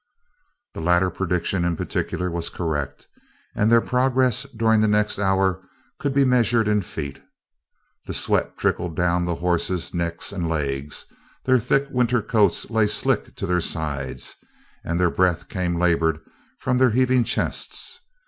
The latter prediction in particular was correct, and their progress during the next hour could be measured in feet. The sweat trickled down the horses' necks and legs, their thick winter coats lay slick to their sides, and their breath came labored from their heaving chests.